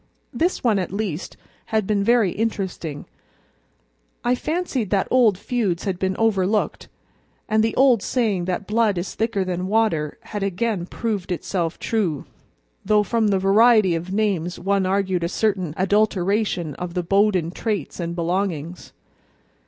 This one, at least, had been very interesting. I fancied that old feuds had been overlooked, and the old saying that blood is thicker than water had again proved itself true, though from the variety of names one argued a certain adulteration of the Bowden traits and belongings.